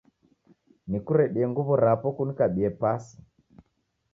Nikuredie nguw'o rapo kunikabie pasi ?